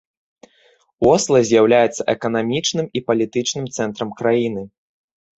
Осла з'яўляецца эканамічным і палітычным цэнтрам краіны.